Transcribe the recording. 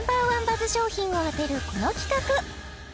バズ商品を当てるこの企画